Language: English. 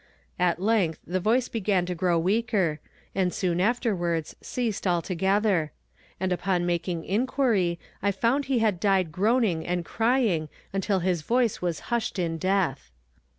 At length the voice began to grow weaker, and soon afterwards ceased altogether; and upon making inquiry I found he had died groaning and crying until his voice was hushed in death.